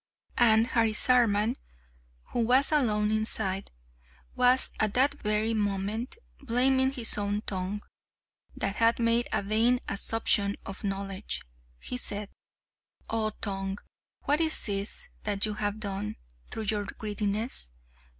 And Harisarman, who was alone inside, was at that very moment blaming his own tongue, that had made a vain assumption of knowledge. He said: "O Tongue, what is this that you have done through your greediness?